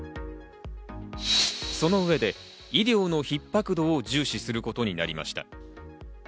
その上で医療の逼迫度を重視することになりました。